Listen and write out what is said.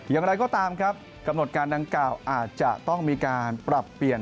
อย่างไรก็ตามครับกำหนดการดังกล่าวอาจจะต้องมีการปรับเปลี่ยน